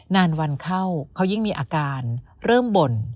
นานวันเข้าเขายิ่งมีอาการเริ่มบ่น